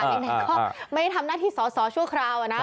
ไม่เนี่ยทำหน้าที่สสอเฉินชั่วครัว